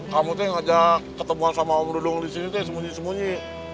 kamu tuh ngajak ketemuan sama om dudung disini tuh semuji semuji